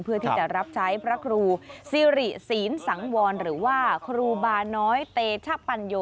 เพื่อที่จะรับใช้พระครูสิริศีลสังวรหรือว่าครูบาน้อยเตชะปัญโย